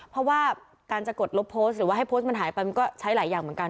เพราะว่าการจะกดลบโพสต์หรือว่าให้โพสต์มันหายไปมันก็ใช้หลายอย่างเหมือนกัน